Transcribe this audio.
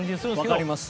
わかります。